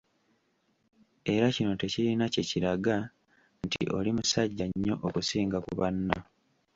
Era kino tekirina kye kiraga nti oli "musajja nnyo" okusinga ku banno.